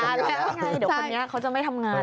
แล้วไงเดี๋ยวคนนี้เขาจะไม่ทำงาน